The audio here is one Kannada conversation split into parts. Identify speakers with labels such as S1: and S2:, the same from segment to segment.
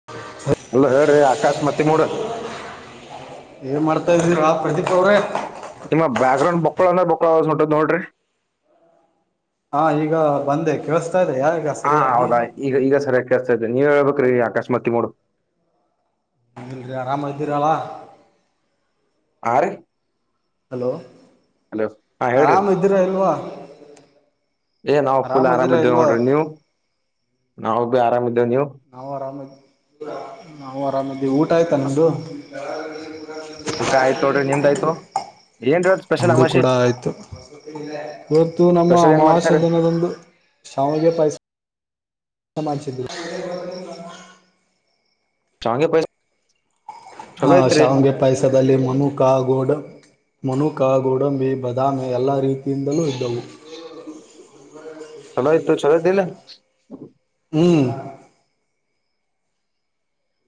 S1: [inaudible]
S2: ಅಲ್ಲ ಹೇಳರೀ ಆಕಾಶ ಮತ್ತೆ ಮೂಡ.
S1: ಏನ್ ಮಾಡ್ತಾ ಇದೀರಾ ಪ್ರದೀಪ್ ಅವ್ರೆ.
S2: ತಮ್ಮ ಬ್ಯಾಗ್ರೌಂಡ್ ಬಕ್ಕಳಲ್ಲ ಬಕ್ಕಲಸ್ ಹೌಸ್ ನೋಡ್ರಿ.
S1: ಹಾ ಈಗ ಬಂದೆ ಕೇಳಸ್ತಾ ಇದೆ ಯಾಯ್
S2: ಹಾ ಹೌದಾ ಈಗ ಈಗ ಸರಿಯ ಕೇಸ್ತಾ ಇದದೆ ನೀವ್ ಹೇಳ್ಬೇ ಆಕೆಸ್ಮಿತ್ ಮೂಡು
S1: ಅಂಗಿದ್ರೆ ಆರಾಮ ಇದ್ದೀರಲ್ಲಾ.
S2: ಹಾ ರಿ.
S1: ಹಲೋ.
S2: ಹಲೋ ಹಾ ಹೇಳ್ರಿ.
S1: ಅದಿರ ಇಲ್ವಾ.
S2: ಏ ನಾವು ಫುಲ್ ಆರಾಮ
S1: ಇದ್ದೀರಾ
S2: ಇದ್ದೇವೆ
S1: ಇಲ್ವಾ
S2: ನೋಡ್ರಿ ನೀವು ನಾವು ಭ ಆರಾಮಿದ್ದೇವೆ ನೀವು.
S1: ನಾವು ಆರಾಮ ನಾವು ಆರಾಮ ಇದೀವಿ ಊಟ ಆಯ್ತಾ ನಿಮ್ದು.
S2: ಊಟ ಆಯ್ತು ನೋಡ್ರಿ ನಿಮ್ದು ಆಯ್ತು ಏನ್ರಿ ಇವತ್ತ್ ಸ್ಪೆಷಲ್
S1: ನಮ್ದು
S2: ಅಮಾಶಿ
S1: ಕೂಡ ಆಯ್ತು. ಇವತ್ತು ನಮ್ಮ
S2: ಸ್ಪೆಷಲ್ ಏನ್ ಮಾಡ್ಸಾರ
S1: ಮಹಾಸದನದಂದು ಶಾವಿಗೆ ಪಾಯಸ ಸ ಮಾಡ್ಸಿದ್ದೀವಿ.
S2: ಶಾವ್ಗೆ ಪಾಯ್ಸ
S1: ಹಾ ಶಾವಗೆ ಪಾಯಸದಲ್ಲಿ ಮನುಕಾ ಗೋಡು ಮುನುಕಾ ಗೋಡಂಬಿ ಬಾದಾಮಿ ಎಲ್ಲ ರೀತಿಯಿಂದಲೂ ಇದ್ದವು. [unintelligible]
S2: ಚೊಲಾಯ್ತು ಚೊಲಾಯ್ತಿಲ್ಲ.
S1: ಹ್ಮ್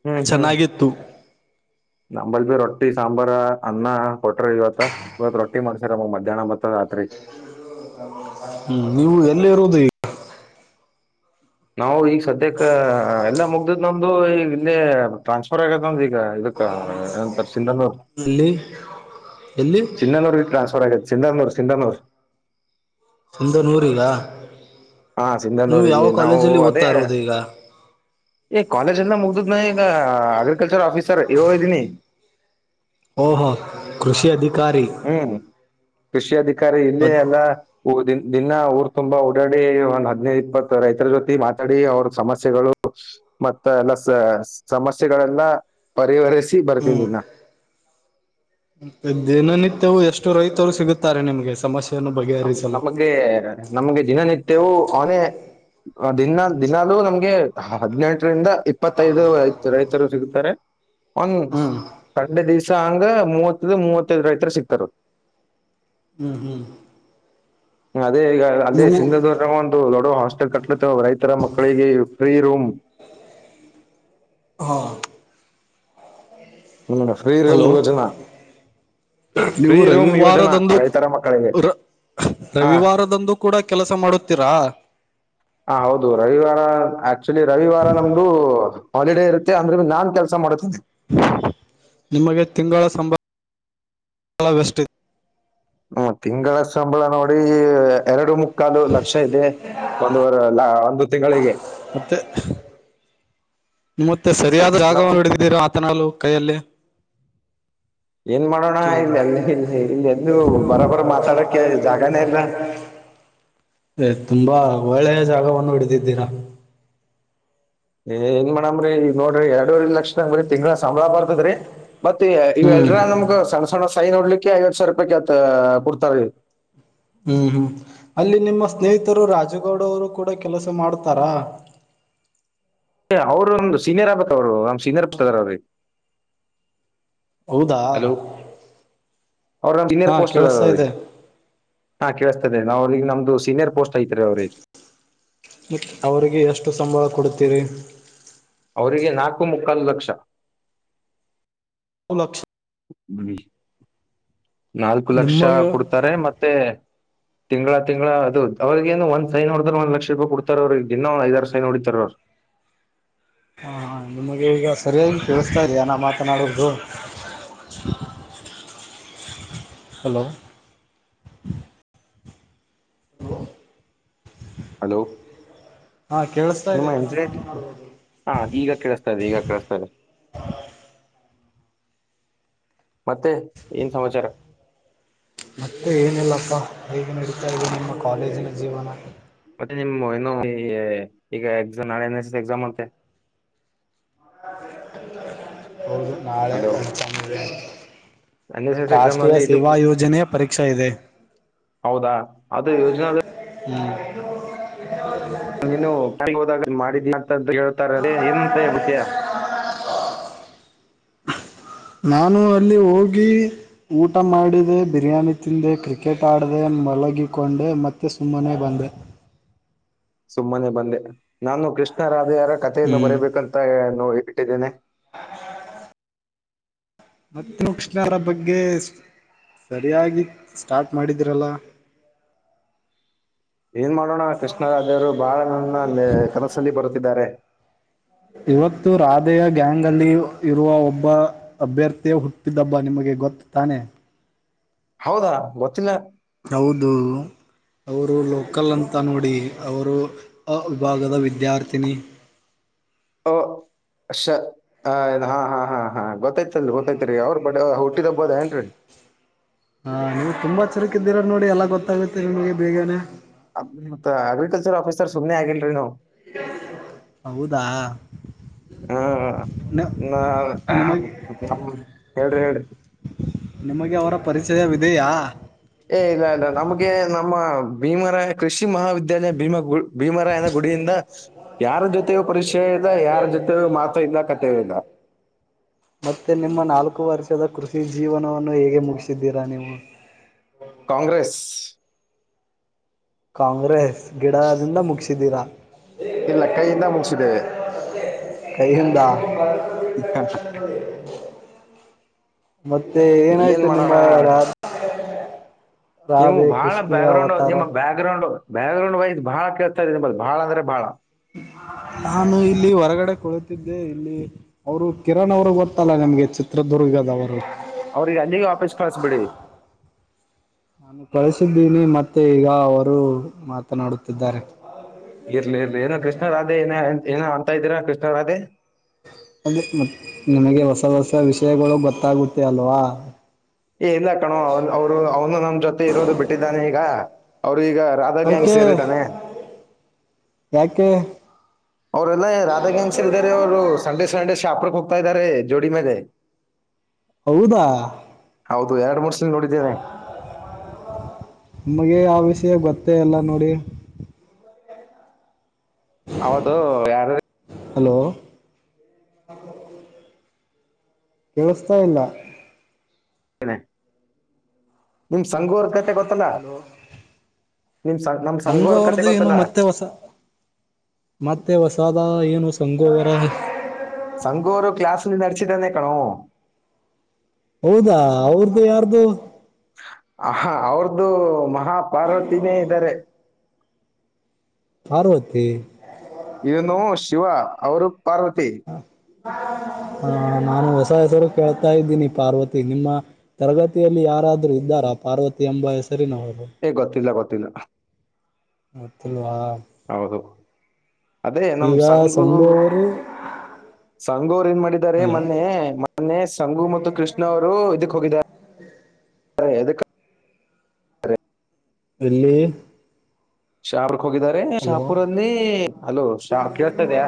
S2: ಹ್ಮ್ ಹ್ಮ್
S1: ಚೆನ್ನಾಗಿತ್ತು
S2: ನಂಬಲ್ ಬಿ ರೊಟ್ಟಿ ಸಾಂಬಾರ ಅನ್ನ ಕೊಟ್ರ ಇವತ್ತ. ಇವತ್ ರಟ್ಟಿ ಮಾಡ್ಸರಮ್ಮಗ ಮಧ್ಯಾಣ ಮತ್ತ ರಾತ್ರಿ.
S1: ಹ್ಮ್ ನೀವು ಎಲ್ಲಿ ಇರುವುದು ಈ
S2: ನಾವು ಈಗ ಸದ್ಯಕ್ಕ ಎಲ್ಲಾ ಮುಗ ಇ ನಮ್ದು ಈಗ ಇಲ್ಲಿ ಟ್ರಾನ್ಸ್ಫರ್ ಆಗೆದ್ನಂದು ಈಗ ಇದಕ್ಕ ಏನಂತರ ಸಿಂಧನೂರ್.
S1: ಎಲ್ಲಿ ಎಲ್ಲಿ
S2: ಸಿಂನೂರಿಗೆ ಟ್ರಾನ್ಸ್ಪರ್ ಆಗೈತಿ ಸಿಂಧನೂರು ಸಿಂಧನೂರ್
S1: ಸಿಂಧನೂರಿಗಾ
S2: ಹಾ
S1: ನೀವು ಯಾವ
S2: ಸಿಂಧನೂರಿಗೆ ನಾವು
S1: ಕಾಲೇಜಲ್ಲಿ
S2: ಅದೇ
S1: ಓದ್ತಾ ಇರೋದು ಈಗ.
S2: ಕಾಲೇಜ್ ಎಲ್ಲ ಮುಗ್ದದ ನಾ ಈಗ ಅಗ್ರಿಕಲ್ಚರ್ ಆಫೀಸರ್ ಇ ಒ ಇದ್ದೀನಿ.
S1: ಓಹೋ ಕೃಷಿ ಅಧಿಕಾರಿ.
S2: ಹ್ಮ್ ಕೃಷಿ ಅಧಿಕಾರಿ ಇಲ್ಲೇ
S1: ಮತ್
S2: ಎಲ್ಲಾ ಉ ದಿನ್ನಾ ಊರು ತುಂಬಾ ಓಡಾಡ ಏ ಒಂದ್ ಹದಿನೈದು ಇಪ್ಪತ್ತು ರೈತರ ಜೊತಿ ಮಾತಾಡಿ ಅವ್ರ ಸಮಸ್ಯೆಗಳು ಮತ್ತ ಎಲ್ಲ ಸ ಸಮಸ್ಯೆಗಳೆಲ್ಲ ಪರಿಹರಿಸಿ ಬರ್ತಿದಿನ್ನ.
S1: ಮೆ ದಿನನಿತ್ಯವು ಎಷ್ಟು ರೈತರು ಸಿಗುತ್ತಾರೆ ನಿಮ್ಗೆ ಸಮಸ್ಯೆ
S2: ನಮ್ ನಮಗೆ ನಮ್ಗೆ ದಿನನಿತ್ಯವೂ ಅವನೇ ದಿನಾ ದಿನಾಲೂ ನಮ್ಗೆ ಹದ್ನೆಂಟರಿಂದ ಇಪ್ಪತ್ತೈದು ರೈತರು ಸಿಗುತ್ತಾರೆ ಒಂದ
S1: ಹ್ಮ್
S2: ಸಂಡೆ ದಿವ್ಸ ಹಂಗ ಮೂವತ್ತಿಲ್ಲ ಮೂವತ್ತೈದು ರೈತರ ಸಿಕ್ತಾರ.
S1: ಹ್ಮ್ ಹ್ಮ್
S2: ಅದೇ ಈಗ ಅದೇ
S1: ನೀವು
S2: ಸಿಂಧನೂರ್ನಗ ಒಂದು ದೊಡ್ಡ ಹಾಸ್ಟೆಲ್ ಕಟ್ಲತ್ತ ರೈತರ ಮಕ್ಕಳಿಗೆ ಫ್ರೀ ರೂಮ್
S1: ಹಾ
S2: ಹ್ಮ ಫ್ರೀ ರೂಮ್
S1: ಹಲೋ
S2: ಯೋಜನಾ. ಫ್ರೀ
S1: ನೀವು
S2: ರೂಮ್ ಯೋಜನಾ
S1: ರವಿವಾರದಂದು
S2: ರೈತರ ಮಕ್ಕಳಿಗೆ
S1: ರ
S2: ಹಾ
S1: ರವಿವಾರದಂದು ಕೂಡ ಕೆಲಸ ಮಾಡುತ್ತೀರಾ.
S2: ಹ ಹೌದು ರವಿವಾರ ಆಕ್ಚುಲಿ ರವಿವಾರ ನಮ್ದು ಹಾಲಿಡೇ ಇರುತ್ತೆ ಅಂದ್ರನು ನಾನ್ ಕೆಲಸ ಮಾಡತೇನೆ.
S1: ನಿಮಗೆ ತಿಂಗಳ [unintelligible] ವೆಷ್ಟಿದೆ.
S2: ಹ್ಮ ತಿಂಗಳ ಸಂಬಳ ನೋಡಿ ಎರಡು ಮುಕ್ ಕಾಲು ಲಕ್ಷ ಇದೆ ಒಂದವರೆ ಅಲ್ಲ ಒಂದು ತಿಂಗಳಿಗೆ.
S1: ಮತ್ತೆ ಮುತ್ತೆ ಸರಿಯಾದ
S2: ನಮ್
S1: ರಾಗವನ್ನು ಹಿಡಿದಿದೀರ ಆತನಲ್ಲು ಕೈಯಲ್ಲಿ.
S2: ಏನ್ ಮಾಡೋಣ
S1: ಮಾತಾಡ
S2: ಇಲ್ಲಿ ಅಲ್ಲಿ ಇಲ್ಲಿ ಇಲ್ಲಿ ಎಲ್ಲೂ ಬರಬರ ಮಾತಾಡಕ್ಕೆ ಜಾಗಾನೇ ಇಲ್ಲ
S1: [unintelligible] ಏ ತುಂಬಾ ಒಳ್ಳೆಯ ಜಾಗವನ್ನು ಹಿಡಿದಿದ್ದೀರಾ.
S2: ಏ ಏನ್ ಮಾಡಮ್ರರಿ ಈಗ ನೋಡ್ರಿ ಎರಡೂವರಿ ಲಕ್ಷ ಅಂದ್ರ ತಿಂಗಳ ಸಂಬಳ ಬರ್ತದರ್ರಿ. ಮತ್ತ ಇವೆ
S1: ಹ್ಮ್
S2: ಇವೆಲ್ರ ನಮ್ಗ ಸಣ್ಣ ಸಣ್ಣ ಸೈ ನೋಡ್ಲಿಕ್ಕೆ ಎರಡು ಎರಡು ಸಾವಿರ ರೂಪಾಯಿ ಕೇಳ್ತಾ ಕೊಡ್ತಾರ.
S1: ಹ್ಮ್ ಹ್ಮ್ ಅಲ್ಲಿ ನಿಮ್ಮ ಸ್ನೇಹಿತರು ರಾಜಗೌಡ ಅವರು ಕೂಡ ಕೆಲಸ ಮಾಡ್ತಾರಾ.
S2: ಅವ್ರು ಒಂದು ಸೀನಿಯರ್ ಆಗ್ಬೇಕ್ ಅವರು ನಮ್ ಸೀನಿಯರ್ ಬರ್ತದ ಅವ್ರಿಗೆ.
S1: ಹೌದಾ
S2: ಹಲೋ ಅವರ್
S1: ಹಾ
S2: ಸೀನಿಯರ್ ಪೋಸ್ಟ್ ಇದ್ದಾರ್
S1: ಕೇಳಿಸ್ತಾ
S2: ರೀ.
S1: ಇದೆ
S2: ಹಾ ಕೇಳಿಸತ್ತದೆ ನಾವು ಈಗ ನಮ್ದು ಸೀನಿಯರ್ ಪೋಸ್ಟ್ ಐತ್ರೀ ಅವರಿಗೆ.
S1: ಅವರಿಗೆ ಎಷ್ಟು ಸಂಬಳ ಕೊಡ್ತೀರಿ.
S2: ಅವರಿಗೆ ನಾಲ್ಕು ಮುಕ್ಕಾಲ್ ಲಕ್ಷ
S1: ಲಕ್ಷ್
S2: ಹ್ಮ್ ನಾಲ್ಕು ಲಕ್ಷ
S1: ನಿಮಗೆ
S2: ಕೊಡ್ತಾರೆ ಮತ್ತೆ ತಿಂಗಳ ತಿಂಗಳ ಅದು ಅವ್ರಿಗೆ ಏನೂ ಒಂದ್ ಸೈನ್ ಒಡದ್ರೆ ಒಂದು ಲಕ್ಷ ರೂಪಾಯಿ ಕೊಡ್ತರ್ ಅವರಿಗೆ ದಿನ ಐದಾರ್ ಸೈನ್ ಹೊಡಿತಾರೆ ಅವರು.
S1: ಹಾ ನಿಮಗೆ ಈಗ ಸರಿಯಾಗಿ ಕೇಳಿಸತಾ ಇದೆಯ ನಾ ಮಾತನಾಡವುದು. ಹಲೋ ಹ
S2: ಹಲೋ
S1: ಹಾ ಕೇಳಿಸ್ತಾ ಇದೆಯಾ
S2: [unintelligible] ಹಾ ಈಗ ಕೇಳಿಸ್ತಾ ಇದೆ ಈಗ ಕೇಳಿಸ್ತಾ ಇದೆ. ಮತ್ತೆ ಏನ್ ಸಮಾಚಾರ.
S1: ಮತ್ತೆ ಏನಿಲ್ಲಪ್ಪ ಹೇಗೆ ನಡೀತಾ ಇದೆ ನಿಮ್ಮ ಕಾಲೇಜಿನ ಜೀವನ.
S2: ಮತ್ತೆ ನಿಮ್ ಏನು ಈ ಈಗ ಎಕ್ಸಾಮ್ ನಾಳೆ ನೆಕ್ಸ್ಟ್ ಎಕ್ಸಾಮ್ ಅಂತೆ.
S1: ಹೌದು ನಾಳೆ
S2: ಹಲೋ
S1: ಕಳ್ತಂದೆ.
S2: ಎನ್ ಎಸ್ ಎಸ್ ಎಕ್ಸಾಮ್
S1: ರಾಷ್ಟ್ರೀಯ
S2: ಅಲ್ಲಿ ಇದು
S1: ಸೇವಾ ಯೋಜನೆಯ ಪರೀಕ್ಷ ಇದೆ.
S2: ಹೌದಾ ಆದೂ ಯೋಜನಾ
S1: ಹ್ಮ್
S2: ನೀನು ಹದ ಮಾಡಿದಂತ ಕೇಳ್ತಾರೆ ಏನ್ಂತಯ ಹೇಳತ್ತಿಯ.
S1: ನಾನು ಅಲ್ಲಿ ಹೋಗಿ ಊಟ ಮಾಡಿದೆ ಬಿರಿಯಾನಿ ತಿಂದೆ ಕ್ರಿಕೆಟ್ ಆಡದೆ ಮಲಗಿಕೊಂಡೆ ಮತ್ತೆ ಸುಮ್ಮನೆ ಬಂದೆ.
S2: ಸುಮ್ಮನೆ ಬಂದೆ ನಾನು ಕೃಷ್ಣ ರಾಧೆಯರ ಕಥೆಯನ್ನು
S1: ಹ್ಮ್
S2: ಬರೀಬೇಕಂತ ಇಟ್ಟಿದ್ದೇನೆ.
S1: ಹ [unintelligible] ಮತ್ತ ಮುಕ್ಷನಾರ ಬಗ್ಗೆ ಸರಿಯಾಗಿ ಸ್ಟಾರ್ಟ್ ಮಾಡಿದಿರಲ್ಲ.
S2: ಏನ್ ಮಾಡೋಣ ಕೃಷ್ಣರಾಜರು ಬಾಳ ನನ್ನ ಕನಸಲ್ಲಿ ಬರುತ್ತಿದ್ದಾರೆ.
S1: ಇವತ್ತು ರಾಧೆಯ ಗ್ಯಾಂಗ್ ಅಲ್ಲಿ ಇರುವ ಒಬ್ಬ ಅಭ್ಯರ್ಥಿಯೇ ಹುಟ್ಟಿದಬ್ಬ ನಿಮಗೆ ಗೊತ್ತು ತಾನೇ.
S2: ಹೌದಾ ಗೊತ್ತಿಲ್ಲ.
S1: ಹೌದು ಅವರು ಲೋಕಲ್ ಅಂತ ನೋಡಿ ಅವರು ಆ ವಿಭಾಗದ ವಿದ್ಯಾರ್ಥಿನಿ.
S2: ಓ ಅಷ್ಟೇ ಹಾ ಹಾ ಹಾ ಹಾ ಗೊತ್ತತ್ತೈ ಗೊತ್ತತ್ ರೀ ಅವರ ಬಡ ಹುಟ್ಟಿದ ಹಬ್ಬ ಇದೆ ಏನ್ರೀ.
S1: ಹಾ ನೀವು ತುಂಬಾ ಚಿರಕ್ ಇದ್ದೀರಾ ನೋಡಿ ಎಲ್ಲಾ ಗೊತ್ತಾಗುತ್ತೆ ನಿಮ್ಗೆ ಬೇಗನೆ.
S2: ಅ ಮತ್ತ್ ಅಗ್ರಿಕಲ್ಚರ್ ಆಫೀಸರ್ ಸುಮ್ನೆ ಆಗಿಲ್ ರೀ ನಾವು.
S1: ಹೌದಾ
S2: ಹ್ಮ
S1: ನ
S2: ಇನ್ನ
S1: ನಿಮಗೆ
S2: ನಮ್ ಹೇಳ್ರಿ ಹೇಳ್ರೀ
S1: ನಿಮಗೆ ಅವರ ಪರಿಚಯವಿದೆಯಾ.
S2: ಏ ಇಲ್ಲ ಇಲ್ಲ ನಮಗೆ ನಮ್ಮ ಭೀಮರ ಕೃಷಿ ಮಹಾವಿದ್ಯಾಲಯ ಭೀಮಗು ಭೀಮರಾಯನ ಗುಡಿಯಿಂದ ಯಾರ ಜೊತೆಗೂ ಪರಿಚಯ ಇಲ್ಲ ಯಾರು ಜೊತೆೆಯೂ ಮಾತ ಇಲ್ಲ ಕತ್ ಥೆಯೂ ಇಲ್ಲ.
S1: ಮತ್ತೆ ನಿಮ್ಮ ನಾಲ್ಕು ವರ್ಷದ ಕೃಷಿ ಜೀವನವನ್ನು ಹೇಗೆ ಮುಗಿಸಿದ್ದೀರಾ ನೀವು.
S2: ಕಾಂಗ್ರೆಸ್
S1: ಕಾಂಗ್ರೆಸ್ ಗಿಡದಿಂದ ಮುಗಿಸಿದೀರಾ
S2: ಇಲ್ಲಾ ಕೈಯಿಂದ ಮುಗಿಸಿದೆವೆ
S1: ಕೈಯಿಂದ ಮತ್ತೆ
S2: ಏನ್
S1: ಏನಾಯ್ತು ನಿಮ್ಮ
S2: ಮಾಡೋಣ
S1: ಯಾರ ರಾಧೆ ಕೃಷ್ಣೇ ಅವತಾರಾ
S2: ಬ್ಯಾ ಗ್ರೌಂಡ್ ಬ್ಯಾಕ್ ಗ್ರೌಂಡ್ ಬಾಳ ಕೇಳುತ್ತಾರಿ ಬಾಳ್ ಬಾಳಂದ್ರೆ ಬಹಳಾ-
S1: ನಾನು ಇಲ್ಲಿ ಹೊರಗಡೆ ಕೊಳತಿದ್ದೆ ಇಲ್ಲಿ ಅವರು ಕಿರಣ್ ಅವರು ಗೊತ್ತಲ್ಲಾ ನಿಮ್ಗೆ ಚಿತ್ರದುರ್ಗದವರು.
S2: ಅವ್ರಿಗೆ ಅಲ್ಲಿಗೆ ವಾಪಸ್ ಕಳಿಸಿಬಿಡ್ರಿ
S1: ಬಳಿಸಿದ್ದೀನಿ ಮತ್ತೆ ಈಗ ಅವರು ಮಾತನಾಡುತ್ತಿದ್ದಾರೆ.
S2: ಇರ್ಲಿ ಇರ್ಲಿ ಏನೋ ಕೃಷ್ಣರಾಧೆ ಏ ಏನ್ ಅಂತ ಇದ್ದೀರಾ ಕೃಷ್ಣ ರಾಧೆ
S1: ಅ ಮ ನಿಮಗೆ ಹೊಸ ಹೊಸ ವಿಷಯಗಳು ಗೊತ್ತಾಗುತ್ತೆ ಅಲ್ವಾ
S2: ಏ ಇಲ್ಲಾ ಕಣೋ ಅವರು ಅವನು ನಮ್ ಜೊತೆ ಇರೋದು ಬಿಟ್ಟಿದ್ದಾರೆ ಈಗ ಅವ್ರು ಈಗಾತ್
S1: ಯಾಕೆ ಯಾಕೆ
S2: ಅವ್ರಲ್ಲ ರಾಧ ಗೆನ್ಸ್ ಇದ್ದಾರೆ ಅವರು ಸಂಡೆ ಸಂಡೆ ಶಾಪುಕ್ ಹೋಗ್ತಾ ಇದ್ದಾರೆ ಜೋಡಿ ಮೇಲೆ
S1: ಹೌದಾ
S2: ಹೌದು ಎರಡ್ ಮೂರ್ ಸಲ ನೋಡಿದ್ದೇನೆ
S1: ನಮಗೆ ಯಾವ ವಿಷಯ ಗೊತ್ತೇ ಇಲ್ಲಾ ನೋಡಿ
S2: ಹೌದು ಯಾರು
S1: ಹಲೋ ಕೇಳಸ್ತಾ ಇಲ್ಲಾ
S2: ನಿಮಗ ಸಂಗುವರ್ ಕತೆ ಗೊತ್ತ
S1: ಹಲೋ
S2: ನಿಮ್ ಸಂಘೋರ್ ಕತೆ
S1: ಸಂಗುಅವರದು ಏನು
S2: ಗೊತ್ತಲ್ಲ
S1: ಮತ್ತೆ ಹೊಸಾ ಮತ್ತೆ ಹೊಸಾದ ಏನು ಸಂಗೋವರ
S2: ಸಂಗುರು ಕ್ಲಾಸ್ ನೀ ನಡಸೀದಾನ್ನೇ ಕಣೋ.
S1: ಹೌದಾ ಅವ್ರ್ದು ಯಾರದ್ದು
S2: ಅಹ ಅವ್ರ್ದು ಮಹಾ ಪಾರ್ವತಿನೇ ಇದ್ದಾರೆ.
S1: ಪಾರ್ವತಿ
S2: ಇದನ್ನು ಶಿವಾ ಅವರು ಪಾರ್ವತಿ.
S1: ಹಾ ನಾನು ಹೊಸ ಹೆಸರು ಕೇಳ್ತಾ ಇದ್ದೀನಿ ಪಾರ್ವತಿ ನಿಮ್ಮ ತರಗತಿಯಲ್ಲಿ ಯಾರಾದ್ರರು ಇದ್ದಾರಾ ಪಾರ್ವತಿ ಎಂಬ ಹೆಸರಿನವರು.
S2: ಎ ಗೊತ್ತಿಲ್ಲಾ ಗೋತ್ತಿಲ್ಲಾ.
S1: [unintelligible]
S2: ಹೌದು ಅದೇ ನಮ
S1: ಈಗ
S2: ಸಂಗು
S1: ಸಂಘು ಅವರು
S2: ಸಂಗು ಅವರು ಏನ್ ಮಾಡಿದ್ದಾರೆ
S1: ಹಲೋ
S2: ಮೊನ್ನೆ ಮೊನ್ನೆ ಸಂಗು ಮತ್ತು ಕೃಷ್ಣ ಅವರು ಇದಕ್ ಹೋಗಿದ್ದಾರೆ. ಅದಕ್ಕೆ
S1: ಎಲ್ಲಿ
S2: ಶಾಪುರ್ಕ್ ಹೋಗಿದಿದ್ದಾರೆ
S1: ಹಲೋ
S2: ಶಾಪುರನ್ನಲೀ ಹಲೋ ಶಾ ಕೇಳ್ತಾ ಇದ್ದೀಯಾ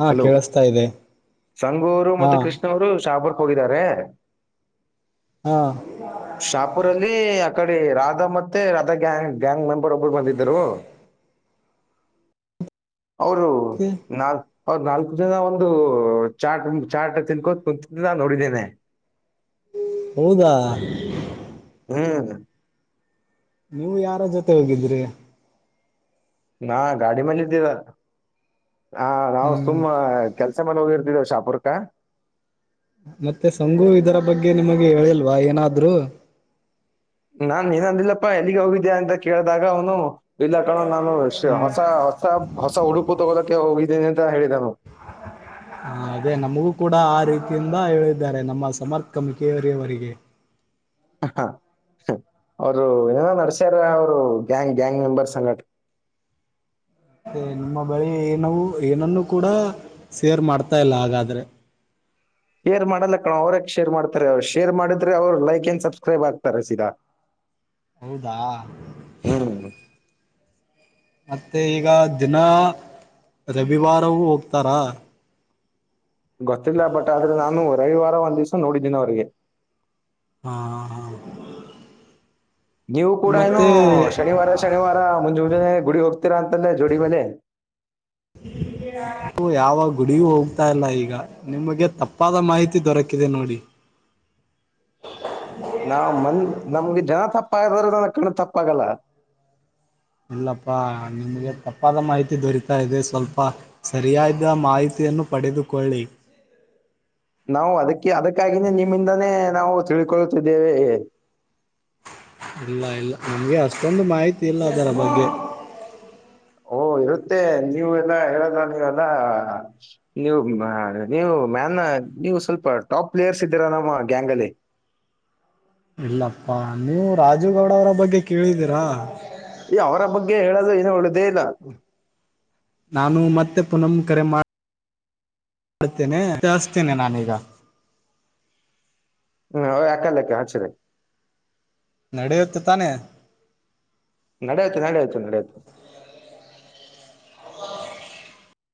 S1: ಹಾ
S2: ಹಲೋ
S1: ಕೇಳಿಸ್ತಾ ಇದೆ
S2: ಸಂಗೂಅವರು
S1: ಹಾ
S2: ಮತ್ತೆ ಕೃಷ್ಣ ಅವರು ಶಾಪುರಕ ಹೋಗಿದ್ದಾರೆ.
S1: ಹಾ
S2: ಶಾಪುರ್ ಅಲ್ಲಿ ಆ ಕಡೆ ರಾಧಾ ಮತ್ತೆ ರಾಧಾ ಗ್ಯಾಂಗ್ ಗ್ಯಾಂಗ್ ಮೆಂಬರ್ ಒಬ್ರು ಬಂದಿದ್ದರು. ಅವರು
S1: ಕೆ
S2: ನಾಲ್ ಅವರ್ ನಾಲ್ಕು ಜನಾ ಒಂದು ಚಾಟ್ ಚಾಟ ತಿನ್ಕೋತ್ ಕುಂತ ನಾ ನೋಡಿದ್ದೇನಿ
S1: ಹೌದಾ
S2: [unintelligible]
S1: ನೀವು ಯಾರ ಜೊತೆ ಹೋಗಿದ್ರಿ?
S2: ನಾ ಗಾಡಿ ಮೇಲ್ ಇದ್ದೀವ. ಆ ನಾವ್
S1: ಹ್ಮ್
S2: ಸುಮ್ಮ ಕೆಲ್ಸ ಮೇಲ್ ಹೋಗಿರ್ತೀವ ಶಾಪುರಕ್ಕ.
S1: ಮತ್ತೆ ಸಂಗು ಇದರ ಬಗ್ಗೆ ನಿಮಗೆ ಹೇಳಿಲ್ವಾ ಏನಾದ್ರು?
S2: ನಾನ್ ಏನ್ ಅಂದಿಲ್ಲಪ್ಪಾ ಎಲ್ಲಿಗೆ ಹೋಗಿದ್ಯಾ ಅಂತ ಕೇಳ್ದಾಗ ಅವನು ಇಲ್ಲ ಕಣೋ ನಾನು ಹೊಸ ಹೊಸ ಹೊಸ ಉಡುಪು ತಗೋಳಕ್ಕೆ ಹೋಗಿದ್ದೀನಿ ಅಂತ ಹೇಳಿದಾನು.
S1: ಹಾಂ ಅದೇ ನಮಗೂ ಕೂಡ ಆ ರೀತಿಯಿಂದ ಹೇಳಿದ್ದಾರೆ ನಮ್ಮ ಸಮರ್ ಕಮಿಕೇರಿಯವರಿಗೆ.
S2: ಅವ್ರು ಏನ ನಡಸ್ಯಾರ ಅವ್ರು ಗ್ಯಾಂಗ್ ಗ್ಯಾಂಗ್ ಮೆಂಬರ್ಸ್ ಸಂಘಟ್
S1: ಅದೇ ನಿಮ್ಮ ಬಳಿ ಏನವು ಏನನ್ನು ಕೂಡ ಸೇರ್ ಮಾಡ್ತಾ ಇಲ್ಲ ಹಾಗಾದ್ರೆ.
S2: ಶೇರ್ ಮಾಡಲ್ಲ ಕಣೋ ಅವ್ರ್ ಯಾಕ್ ಶೇರ್ ಮಾಡ್ತಾರೆ ಅವ್ರ್ ಶೇರ್ ಮಾಡಿದ್ರೆ ಅವ್ರ್ ಲೈಕ್ ಅಂಡ್ ಸಬ್ಸ್ಕ್ರೈಬ್ ಆಗ್ತಾರೆ ಸೀದಾ.
S1: ಹೌದಾ?
S2: ಹ್ಮ್
S1: ಮತ್ತೆ ಈಗ ದಿನ ರವಿವಾರವೂ ಹೋಗ್ತಾರ?
S2: ಗೊತ್ತಿಲ್ಲ ಬಟ್ ಆದ್ರೆ ನಾನು ರವಿವಾರ ಒಂದ್ ದಿವ್ಸ ನೋಡಿದ್ದೀನ್ ಅವ್ರ್ ಗೆ.
S1: ಹಾಂ ಹಾಂ
S2: ನೀವು ಕೂಡನೂ
S1: ಮತ್ತೆ
S2: ಶನಿವಾರ ಶನಿವಾರ ಮುಂಜ್ ಮುಂಜಾನೆ ಗುಡಿ ಹೋಗ್ತೀರಾ ಅಂತಲ್ಲೇ ಜೋಡಿ ಮೇಲೆ
S1: ಯಾವ ಗುಡಿಗೂ ಹೋಗ್ತಾಯಿಲ್ಲ ಈಗ. ನಿಮಗೆ ತಪ್ಪಾದ ಮಾಹಿತಿ ದೊರಕಿದೆ ನೋಡಿ.
S2: ನಾವ್ ಮನ್ ನಮ್ಗೆ ಜನ ತಪ್ಪ ಆಗ್ಬೋದುರ ಕಣ ತಪ್ಪಾಗಲ್ಲ.
S1: ಇಲ್ಲಪ್ಪಾ ನಿಮ್ಗೆ ತಪ್ಪಾದ ಮಾಹಿತಿ ದೊರಿತಾ ಇದೆ ಸ್ವಲ್ಪ ಸರಿಯಾದ ಮಾಹಿತಿಯನ್ನು ಪಡೆದುಕೊಳ್ಳಿ.
S2: ನಾವು ಅದಕ್ಕೆ ಅದಕ್ಕಾಗಿನೇ ನಿಮ್ಮಿಂದಾನೇ ನಾವು ತಿಳ್ಕೊಳ್ಳುತ್ತಿದ್ದೇವೆ.
S1: ಇಲ್ಲ ಇಲ್ಲ ನಮ್ಗೆ ಅಷ್ಟೊಂದು ಮಾಹಿತಿ ಇಲ್ಲ ಅದರ ಬಗ್ಗೆ.
S2: ಓ ಇರುತ್ತೆ ನೀವು ಎಲ್ಲಾ ಹೇಳದ ನೀವೆಲ್ಲಾ ನೀವು ಮ ನೀವು ಮ್ಯಾನ್ ನೀವು ಸ್ವಲ್ಪ ಟಾಪ್ ಪ್ಲೇಯರ್ಸ್ ಇದ್ದೀರಾ ನಮ್ಮ ಗ್ಯಾಂಗಲ್ಲಿ.
S1: ಇಲ್ಲಪ್ಪಾ ನೀವು ರಾಜುಗೌಡ ಅವರ ಬಗ್ಗೆ ಕೇಳಿದೀರಾ?
S2: ಏ ಅವರ ಬಗ್ಗೆ ಹೇಳದೆ ಏನು ಉಳಿದೇ ಇಲ್ಲ.
S1: ನಾನು ಮತ್ತೆ ಪುನಂ ಕರೆ ಮಾಡ್ ಮಾಡ್ತೇನೆ, ವಿಚಾರ್ಸ್ತೇನೆ ನಾನೀಗ.
S2: ಹ್ಮ್ [unintelligible]
S1: ನಡೆಯುತ್ತೆ ತಾನೇ?
S2: ನಡೆಯುತ್ತೆ ನಡೆಯುತ್ತೆ ನಡೆಯುತ್ತೆ.